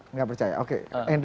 enggak percaya oke